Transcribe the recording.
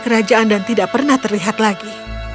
kerajaan dan tidak pernah terlihat lagi